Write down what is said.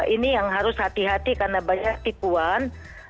ini yang harus hati hati karena banyak tipuan